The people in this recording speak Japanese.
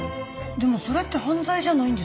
でもそれって犯罪じゃないんですか？